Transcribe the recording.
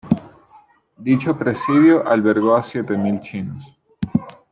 Dicho presidio albergó a siete mil chinos.